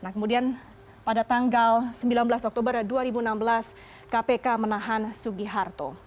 kemudian pada tanggal sembilan belas oktober dua ribu enam belas kpk menahan sugi harto